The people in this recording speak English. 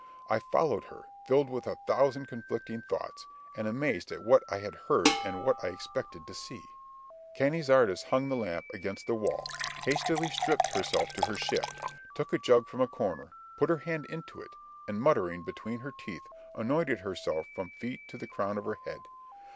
I followed her, filled with a thousand conflicting thoughts, and amazed at what I had heard and what I expected to see. Cañizares hung the lamp against the wall, hastily stripped herself to her shift, took a jug from a corner, put her hand into it, and, muttering between her teeth, anointed herself from her feet to the crown of her head.